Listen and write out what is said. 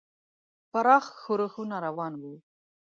پراخ ښورښونه روان وو.